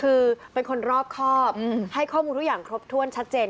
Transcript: คือเป็นคนรอบครอบให้ข้อมูลทุกอย่างครบถ้วนชัดเจน